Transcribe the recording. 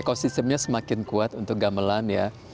ekosistemnya semakin kuat untuk gamelan ya